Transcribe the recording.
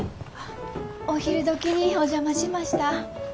あお昼どきにお邪魔しました。